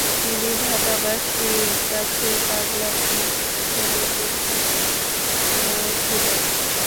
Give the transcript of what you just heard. তিনি ঢাকাবাসীর কাছে 'পাগলা মৌলভী' হিসেবে পরিচিত ছিলেন।